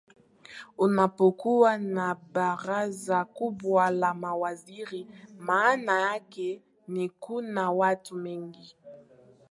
unapokuwa na baraza kubwa la mawaziri maana yake ni kuna watu wengi